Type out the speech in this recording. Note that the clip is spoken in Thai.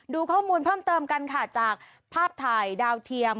ดูข้อมูลเพิ่มเติมกันค่ะจากภาพถ่ายดาวเทียม